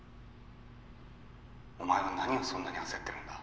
お前は何をそんなに焦ってるんだ？